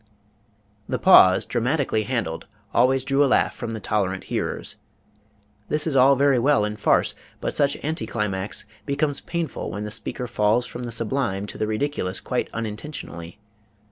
The pause, dramatically handled, always drew a laugh from the tolerant hearers. This is all very well in farce, but such anti climax becomes painful when the speaker falls from the sublime to the ridiculous quite unintentionally.